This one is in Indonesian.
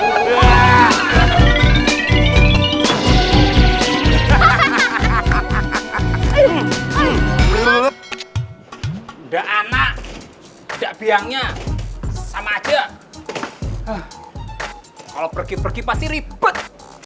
enggak anak enggak biangnya sama aja kalau pergi pergi pasti ribet